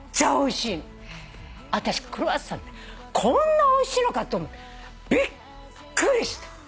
私クロワッサンってこんなおいしいのかとびっくりした！